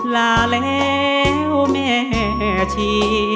ลาแล้วแม่ชี